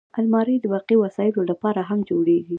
الماري د برقي وسایلو لپاره هم جوړیږي